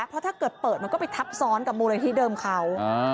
เพราะถ้าเกิดเปิดเค้าก็ไปทับซ้อนกับฮรดีเดิมเค้า